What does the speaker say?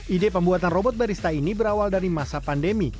ide pembuatan robot barista ini berawal dari masa pandemi